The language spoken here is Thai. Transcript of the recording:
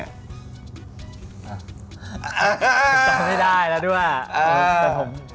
อ่าไม่ได้แล้วด้วย